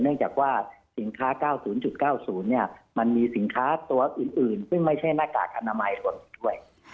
เนื่องจากว่าสินค้า๙๐๙๐มันมีสินค้าตัวอื่นซึ่งไม่ใช่หน้ากากอนามัยหล่นด้วย